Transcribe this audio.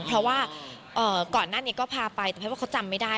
เพราะว่าก่อนหน้านี้ก็พาไปแต่เพราะว่าเขาจำไม่ได้